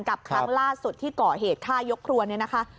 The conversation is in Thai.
ครั้งล่าสุดที่ก่อเหตุฆ่ายกครัวเนี่ยนะคะ